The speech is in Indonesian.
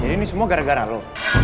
jadi ini semua gara gara lo